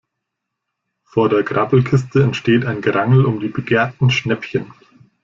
Vor der Grabbelkiste entsteht ein Gerangel um die begehrten Schnäppchen.